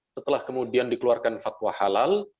setelah kemudian dikeluarkan fatwa halal